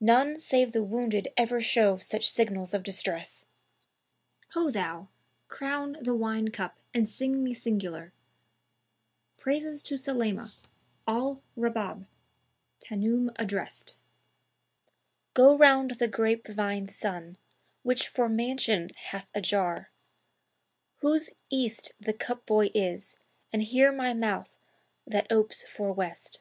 None save the wounded ever show such signals of distress! Ho thou! crown the wine cup and sing me singular Praises to Sulaymá, Al Rabáb, Tan'oum addrest;[FN#288] Go round the grape vine sun[FN#289] which for mansion hath a jar; Whose East the cup boy is, and here my mouth that opes for West.